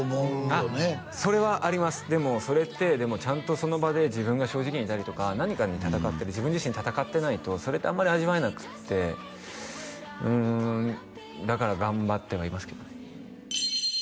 あっそれはありますでもそれってちゃんとその場で自分が正直にいたりとか何かに戦ってる自分自身戦ってないとそれってあんまり味わえなくってうんだから頑張ってはいますけどね